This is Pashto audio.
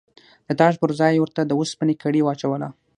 د تاج پر ځای یې ورته د اوسپنې کړۍ واچوله.